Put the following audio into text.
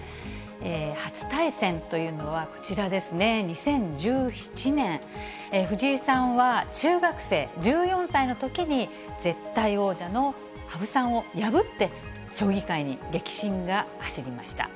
初対戦というのは、こちらですね、２０１７年、藤井さんは中学生、１４歳のときに、絶対王者の羽生さんを破って、将棋界に激震が走りました。